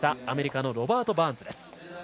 アメリカのロバート・バーンズ。